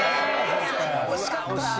惜しかった。